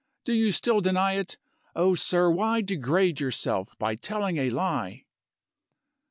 Do you still deny it? Oh, sir, why degrade yourself by telling a lie?"